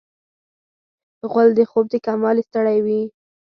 غول د خوب د کموالي ستړی وي.